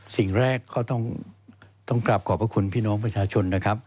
สิ่งแรกก็ต้องกลับขอบพระคุณพี่น้องประชาชนนะครับ